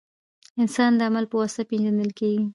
• انسان د عمل په واسطه پېژندل کېږي.